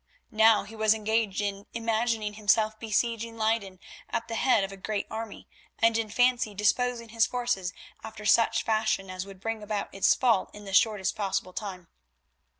Now he was engaged in imagining himself besieging Leyden at the head of a great army, and in fancy disposing his forces after such fashion as would bring about its fall in the shortest possible time.